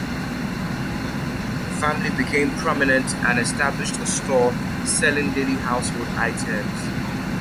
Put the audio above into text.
The family became prominent and established a store selling daily household items.